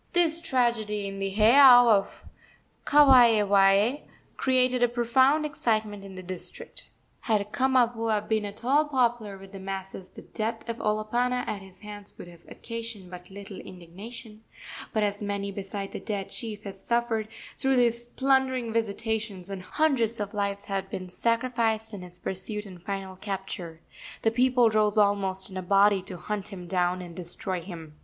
This tragedy in the heiau of Kawaewae created a profound excitement in the district. Had Kamapuaa been at all popular with the masses the death of Olopana at his hands would have occasioned but little indignation; but as many beside the dead chief had suffered through his plundering visitations, and hundreds of lives had been sacrificed in his pursuit and final capture, the people rose almost in a body to hunt him down and destroy him.